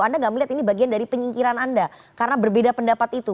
anda nggak melihat ini bagian dari penyingkiran anda karena berbeda pendapat itu